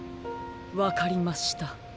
わかりました。